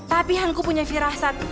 tapi an aku punya firasat